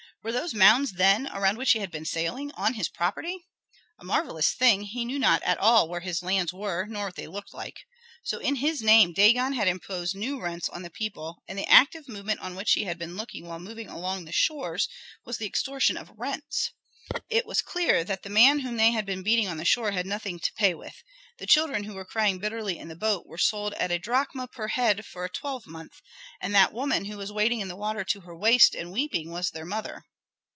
Were those mounds, then, around which he had been sailing, on his property? A marvellous thing, he knew not at all where his lands were nor what they looked like. So in his name Dagon had imposed new rents on the people, and the active movement on which he had been looking while moving along the shores was the extortion of rents. It was clear that the man whom they had been beating on the shore had nothing to pay with. The children who were crying bitterly in the boat were sold at a drachma per head for a twelvemonth, and that woman who was wading in the water to her waist and weeping was their mother.